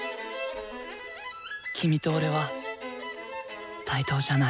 君と俺は対等じゃない。